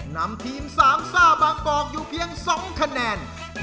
นำทีมสามซ่ามากอกอยู่เพียง๒คะแนน